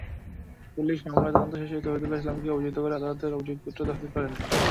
Police মামলার তদন্ত শেষে তৌহিদুল ইসলামকে অভিযুক্ত করে আদালতে অভিযোগপত্র দাখিল করেন।